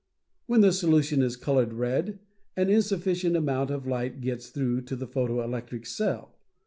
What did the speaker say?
"When the solution is colored red, an insufficient amount of lights gets through to the photo electric cell.